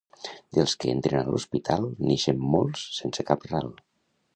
Dels que entren a l'hostal, n'ixen molts sense cap ral.